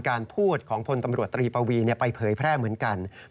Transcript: การพูดของพลตำรวจตรีปวีไปเผยแพร่เหมือนกัน